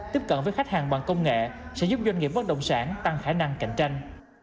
tiếp cận với khách hàng bằng công nghệ sẽ giúp doanh nghiệp bất động sản tăng khả năng cạnh tranh